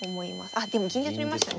あでも銀で取りましたね。